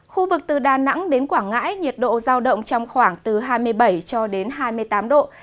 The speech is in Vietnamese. khu vực từ đà nẵng đến quảng ngãi nhiệt độ giao động trong khoảng từ hai mươi bảy cho đến hai mươi tám độ